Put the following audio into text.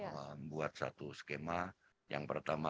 membuat satu skema yang pertama